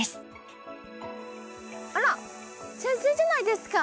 あら先生じゃないですか？